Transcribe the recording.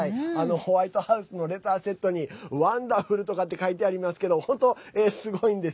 ホワイトハウスのレターセットにワンダフルとかって書いてありますけど本当、すごいんです。